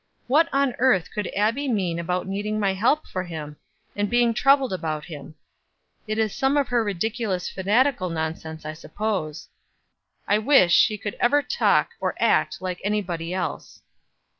What on earth could Abbie mean about needing my help for him, and being troubled about him. It is some of her ridiculous fanatical nonsense, I suppose. I wish she could ever talk or act like anybody else."